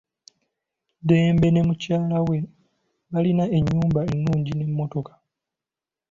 Dembe ne mukyala we balina enyumba ennungi ne mmotoka.